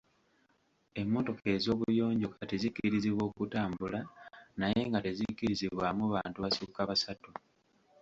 Emmotoka ez'obuyonjo kati zikkirizibwa okutambula naye nga tezikkirizibwamu bantu basukka basatu.